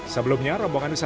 sebelumnya rombongan istri